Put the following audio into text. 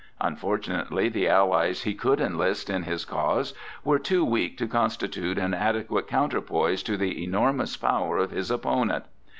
Unfortunately the allies he could enlist in his cause were too weak to constitute an adequate counterpoise to the enormous power of his opponent.